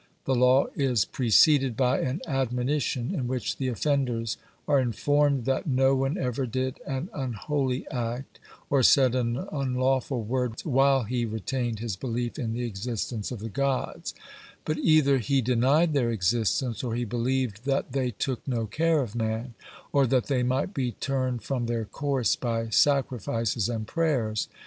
The law is preceded by an admonition, in which the offenders are informed that no one ever did an unholy act or said an unlawful word while he retained his belief in the existence of the Gods; but either he denied their existence, or he believed that they took no care of man, or that they might be turned from their course by sacrifices and prayers.